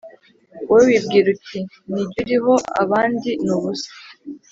wowe wibwiraga uti «ni jye uriho, abandi ni ubusa !